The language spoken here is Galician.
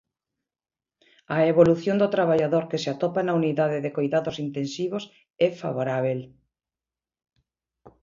A evolución do traballador que se atopa na unidade de coidados intensivos é "favorábel".